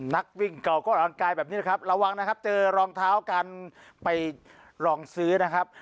นักวิ่งเก่าก็ร่างกายแบบนี้นะครับระวังนะครับเจอรองเท้ากันไปลองซื้อนะครับ